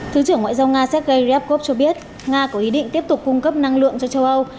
thứ trưởng ngoại giao nga sergei rapkov cho biết nga có ý định tiếp tục cung cấp năng lượng cho châu âu